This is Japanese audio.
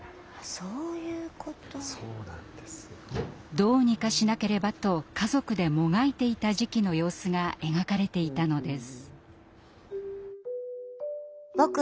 どうにかしなければと家族でもがいていた時期の様子が描かれていたのです。